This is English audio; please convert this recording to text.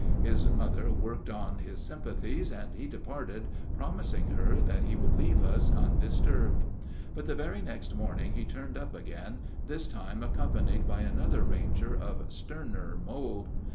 His mother worked on his sympathies, and he departed promising her that he would leave us undisturbed. But the very next morning he turned up again, this time accompanied by another ranger of sterner mold.